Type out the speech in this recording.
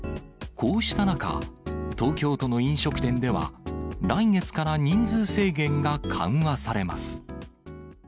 こうした中、東京都の飲食店では、来月から人数制限が緩和されます。